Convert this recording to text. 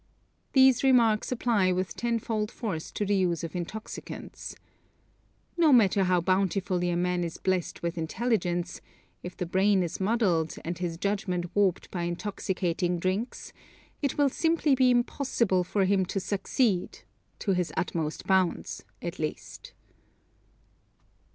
These remarks apply with ten fold force to the use of intoxicants. No matter how bountifully a man is blessed with intelligence, if the brain is muddled, and his judgment warped by intoxicating drinks, it will simply be impossible for him to succeed, to his utmost bounds, at least.